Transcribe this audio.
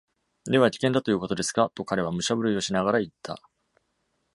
"では、危険だということですか？"と彼は武者震いをしながら言った。